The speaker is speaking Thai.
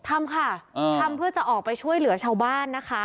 ทำค่ะทำเพื่อจะออกไปช่วยเหลือชาวบ้านนะคะ